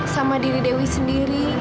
sama diri dewi sendiri